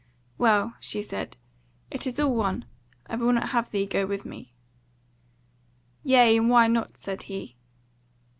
"Well," she said, "it is all one, I will not have thee go with me." "Yea, and why not?" said he.